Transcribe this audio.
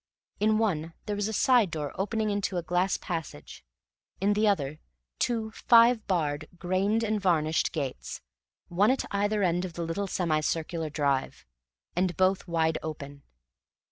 In one there was a side door opening into a glass passage; in the other two five barred, grained and varnished gates, one at either end of the little semi circular drive, and both wide open.